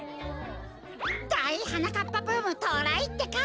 だいはなかっぱブームとうらいってか！